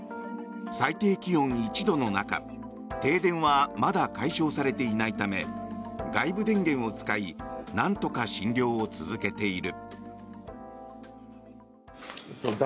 最低気温１度の中停電はまだ解消されていないため外部電源を使いなんとか診療を続けている。